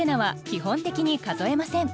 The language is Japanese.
基本的に数えません。